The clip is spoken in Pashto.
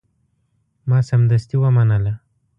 ما سمدستي ومنله.